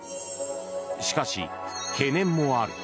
しかし、懸念もある。